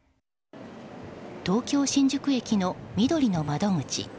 東京・新宿駅のみどりの窓口。